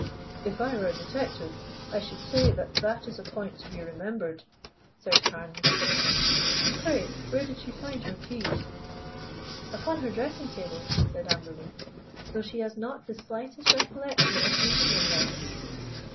"If I were a detective I should say that that is a point to be remembered," said Carne with a smile. "Pray, where did she find her keys?" "Upon her dressing table," said Amberley. "Though she has not the slightest recollection of leaving them there."